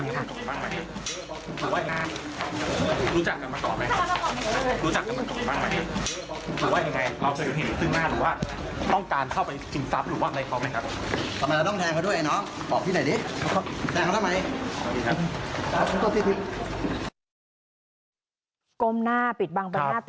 รู้จักคำความที่บ้างไหมค่ะ